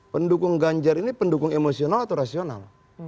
pendukung ganjar ini pendukung emosional atau rasional